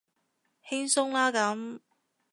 輕鬆啦咁